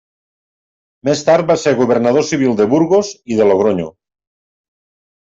Més tard va ser Governador Civil de Burgos i de Logronyo.